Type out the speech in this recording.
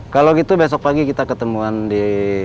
kalau gitu besok pagi kita ketemuan di